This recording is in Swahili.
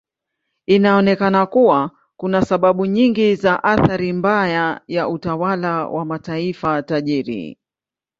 Inaonekana kuwa kuna sababu nyingi za athari mbaya ya utawala wa mataifa tajiri.